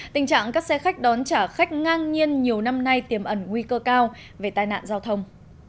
tình trạng các xe khách đón trả khách ngang nhiên nhiều năm nay tiềm ẩn nguy cơ cao về tai nạn giao thông